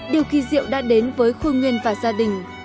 điều kỳ diệu đã đến với khôi nguyên và gia đình